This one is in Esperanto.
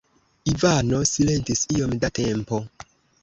Ivano silentis iom da tempo.